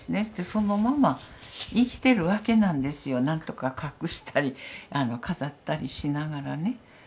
そしてそのまま生きてるわけなんですよ何とか隠したり飾ったりしながらね。